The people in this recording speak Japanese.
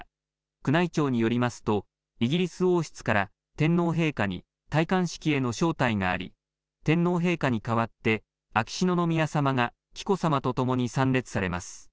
宮内庁によりますとイギリス王室から天皇陛下に戴冠式への招待があり天皇陛下に代わって秋篠宮さまが紀子さまとともに参列されます。